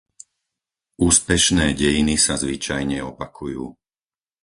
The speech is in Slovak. Úspešné dejiny sa zvyčajne opakujú.